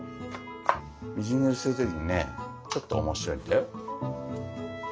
みじん切りする時にねちょっと面白いんだよ。